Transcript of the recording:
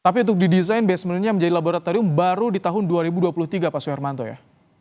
tapi untuk didesain basementnya menjadi laboratorium baru di tahun dua ribu dua puluh tiga pak suhermanto ya